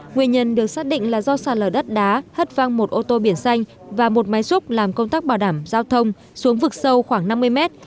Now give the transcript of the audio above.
nguyên nhân được xác định là do sạt lở đất đá hất văng một ô tô biển xanh và một máy xúc làm công tác bảo đảm giao thông xuống vực sâu khoảng năm mươi mét